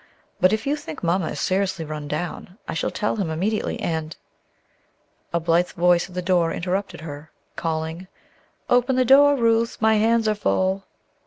But if you think Mamma is seriously run down, I shall tell him immediately, and " A blithe voice at the door interrupted her, calling: "Open the door, Ruth; my hands are full."